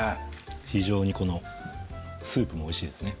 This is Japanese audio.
非常にこのスープもおいしいですね